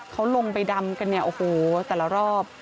เขาลงไปดำกันเนี่ยโอ้โหแต่ละรอบ